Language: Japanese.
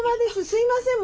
すいません